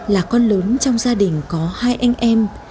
là con lớn trong gia đình có hai anh em